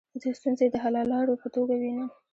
زه ستونزي د حللارو په توګه وینم.